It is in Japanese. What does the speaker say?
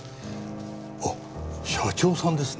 あっ社長さんですね？